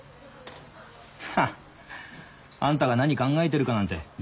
ハッあんたが何考えてるかなんて全部分かる。